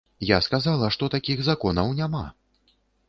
Я сказала, што такіх законаў няма.